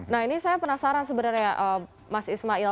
nah ini saya penasaran sebenarnya mas ismail